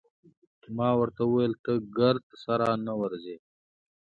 ما ورته وویل: ته ګرد سره نه ورځې؟